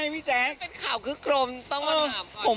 เป็นข่าวคือกรมต้องมาถามก่อน